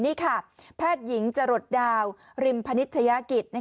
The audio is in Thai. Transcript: นี่ค่ะแพทย์หญิงจรดดาวริมพนิชยากิจ